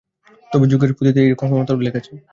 তবে যোগের পুঁথিতে এইরূপ ক্ষমতার উল্লেখ আছে।